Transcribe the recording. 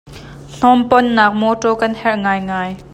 Hnawm ponnak mawtaw kan herh ngai ngai.